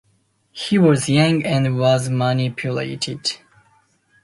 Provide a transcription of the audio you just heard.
He was young, and was manipulated.